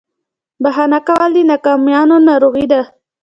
بهانه کول د ناکامیانو ناروغي ده.